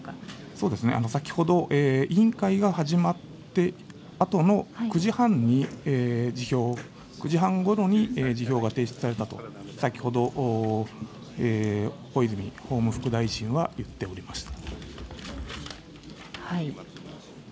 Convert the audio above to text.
そうですね、先ほど委員会が始まってあとの９時半に辞表を、９時半ごろに辞表が提出されたと、先ほど、小泉法務副大臣は言っておりました。